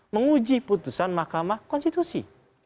menguji putusan mahkamah konstitusi